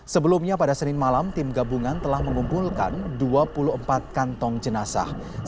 sebelumnya pada senin malam tim gabungan telah mengumpulkan dua puluh empat kantong jenazah